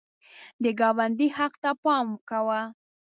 د ګاونډي حق ته پام کوه